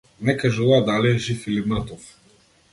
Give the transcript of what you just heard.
Не кажуваат дали е жив или мртов.